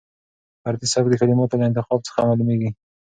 فردي سبک د کلماتو له انتخاب څخه معلومېږي.